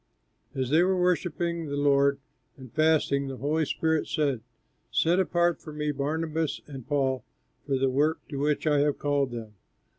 As they were worshipping the Lord and fasting, the Holy Spirit said, "Set apart for me Barnabas and Paul for the work to which I have called them."